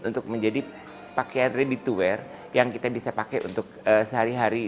untuk menjadi pakaian ready to wear yang kita bisa pakai untuk sehari hari